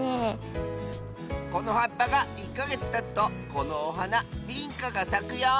このはっぱが１かげつたつとこのおはなビンカがさくよ！